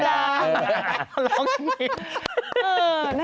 เขาร้องจริง